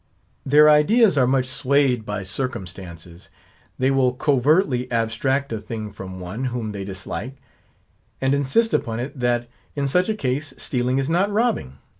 Their ideas are much swayed by circumstances. They will covertly abstract a thing from one, whom they dislike; and insist upon it, that, in such a case, stealing is not robbing.